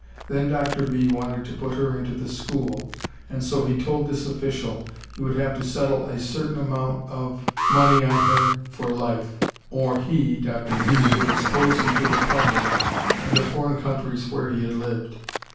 Then Dr. B. wanted to put her into the school, and so he told this official he would have to settle a certain amount of money on her for life or he (Dr. B.) would expose him to the public and the foreign countries where he had lived.